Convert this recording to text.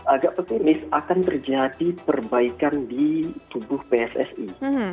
agak pesimis akan terjadi perbaikan di tubuh pssi